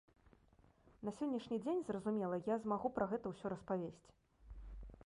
На сённяшні дзень, зразумела, я змагу пра гэта ўсё распавесці.